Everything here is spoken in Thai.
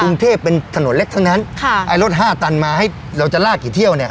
กรุงเทพเป็นถนนเล็กเท่านั้นค่ะไอ้รถห้าตันมาให้เราจะลากกี่เที่ยวเนี่ย